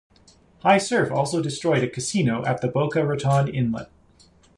High surf also destroyed a casino at the Boca Raton Inlet.